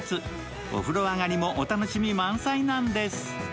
お風呂上がりもお楽しみ満載なんです。